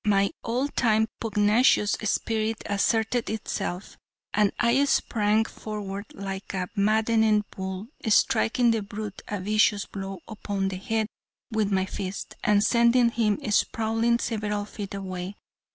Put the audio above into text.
My old time pugnacious spirit asserted itself, and I sprang forward like a maddened bull, striking the brute a vicious blow upon the head with my fist, and sending him sprawling several feet away.